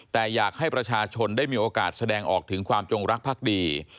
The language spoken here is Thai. แต่อยากให้ประชาชนได้มีโอกาสแสดงออกถึงความจงรักภักดี